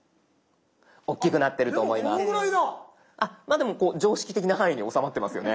でも常識的な範囲に収まってますよね。